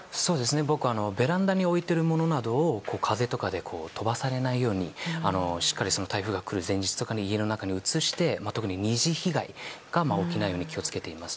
僕はベランダに置いているものなどを風とかで飛ばされないようにしっかり台風が来る前日とかに家の中に移して特に２次被害が起きないように気を付けています。